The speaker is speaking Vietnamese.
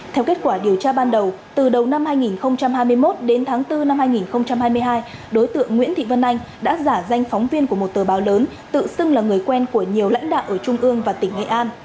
theo kết quả điều tra ban đầu từ đầu năm hai nghìn hai mươi một đến tháng bốn năm hai nghìn hai mươi hai đối tượng nguyễn thị vân anh đã giả danh phóng viên của một tờ báo lớn tự xưng là người quen của nhiều lãnh đạo ở trung ương và tỉnh nghệ an